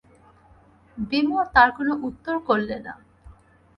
বিমল তার কোনো উত্তর করলে না।